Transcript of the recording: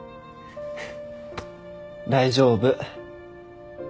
大丈夫。